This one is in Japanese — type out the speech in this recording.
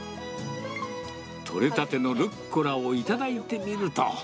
取れたてのルッコラを頂いてみると。